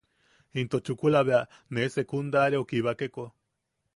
Into chukula bea ne secundariaʼu kibakeko.